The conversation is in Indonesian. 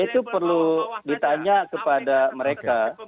itu perlu ditanya kepada mereka